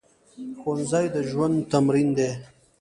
ښوونځی د ژوند تمرین دی